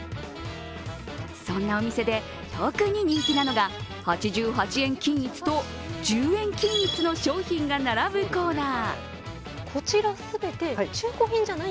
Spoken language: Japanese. そんなお店で、特に人気なのが８８円均一と１０円均一の商品が並ぶコーナー。